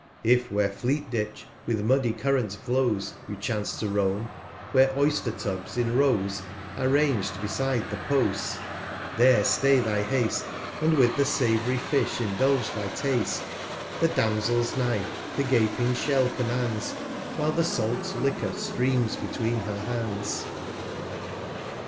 If where Fleet Ditch with muddy Current flows, You chance to roam ; where Oyster Tubs in Rows Are rang'd beside the Posts; there stay thy Haste, 191 And with the sav'ry Fish indulge thy Taste : The Damsel's Knife the gaping Shell commands, While the salt Liquor streams between her Hands.